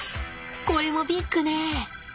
これもビッグね。